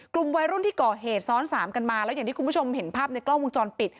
กลุ่มวัยรุ่นที่ก่อเหตุซ้อนสามกันมาแล้วอย่างที่คุณผู้ชมเห็นภาพในกล้องวงจรปิด